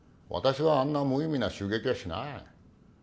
私はあんな無意味な襲撃はしない。